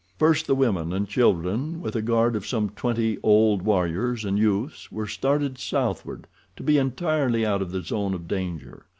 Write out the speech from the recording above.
First the women and children, with a guard of some twenty old warriors and youths, were started southward, to be entirely out of the zone of danger.